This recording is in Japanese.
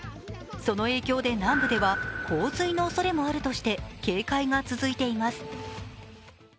その影響で南部では洪水のおそれがあるとして警戒が続いています。